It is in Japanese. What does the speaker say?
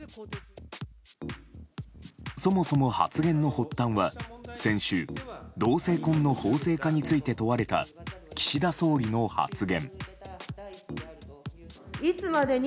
そもそも発言の発端は先週、同性婚の法制化について問われた岸田総理の発言。